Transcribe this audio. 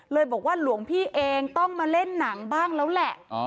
บอกว่าหลวงพี่เองต้องมาเล่นหนังบ้างแล้วแหละ